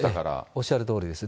おっしゃるとおりです。